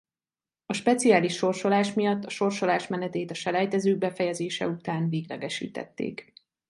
A speciális sorsolás miatt a sorsolás menetét a selejtezők befejezése után véglegesítették.